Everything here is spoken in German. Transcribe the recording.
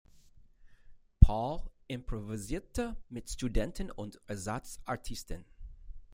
Paul improvisierte mit Studenten und Ersatz-Artisten.